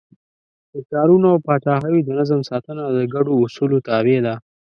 د ښارونو او پاچاهیو د نظم ساتنه د ګډو اصولو تابع ده.